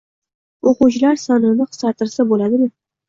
o‘quvchilar sonini qisqatirsa bo‘ladimi?